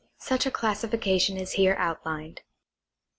Such a classification is here outlined.